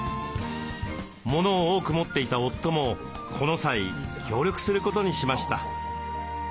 モノを多く持っていた夫もこの際協力することにしました。